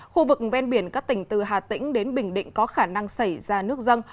khu vực ven biển các tỉnh từ hà tĩnh đến bình định có khả năng xảy ra nước dân